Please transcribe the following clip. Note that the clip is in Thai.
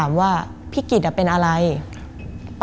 มันกลายเป็นรูปของคนที่กำลังขโมยคิ้วแล้วก็ร้องไห้อยู่